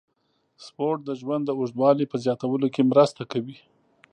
سپورت د ژوند د اوږدوالي په زیاتولو کې مرسته کوي.